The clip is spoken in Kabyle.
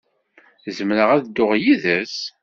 Zemreɣ ad dduɣ yid-s?